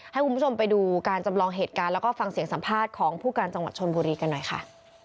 ให้คุณผู้ชมไปดูการจำลองเหตุการณ์แล้วก็ฟังเสียงสัมภาษณ์ของผู้การจังหวัดชนบุรีกันหน่อยค่ะ